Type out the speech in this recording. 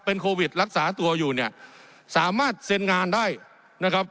เป็นโควิดรักษาตัวอยู่เนี่ยสามารถเซ็นงานได้นะครับ